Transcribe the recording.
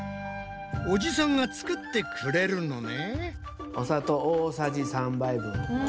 おじさんが作ってくれるのね。